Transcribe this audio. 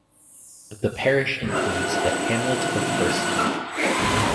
The parish includes the hamlet of Burston.